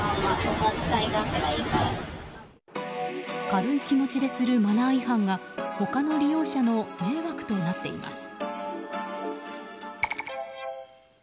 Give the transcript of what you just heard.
軽い気持ちでするマナー違反が他の利用者の迷惑となっています。